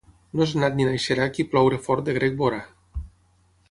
No és nat ni naixerà qui ploure fort de grec veurà.